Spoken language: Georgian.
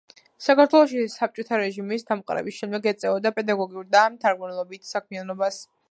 საქართველოში საბჭოთა რეჟიმის დამყარების შემდეგ ეწეოდა პედაგოგიურ და მთარგმნელობით საქმიანობას.